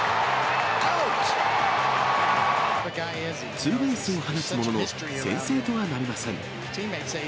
ツーベースを放つものの、先制とはなりません。